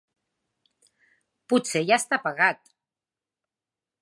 Potser ja està pagat.